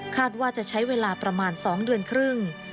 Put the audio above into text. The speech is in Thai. ว่าจะใช้เวลาประมาณ๒เดือนครึ่ง